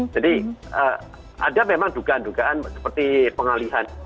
jadi ada memang dugaan dugaan seperti pengalihan